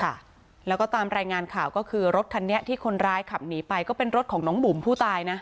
ค่ะแล้วก็ตามรายงานข่าวก็คือรถคันนี้ที่คนร้ายขับหนีไปก็เป็นรถของน้องบุ๋มผู้ตายนะ